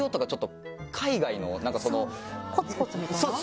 コツコツみたいな？